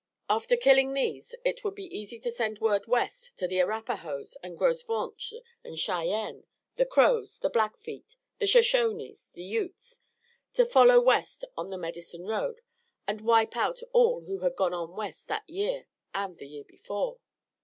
After killing these it would be easy to send word west to the Arapahoes and Gros Ventres and Cheyennes, the Crows, the Blackfeet, the Shoshones, the Utes, to follow west on the Medicine Road and wipe out all who had gone on West that year and the year before.